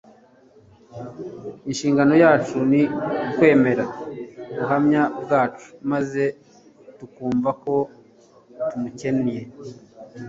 Inshingano yacu ni kwemera ubuhamya bwacu, maze tukumva ko tumukennye.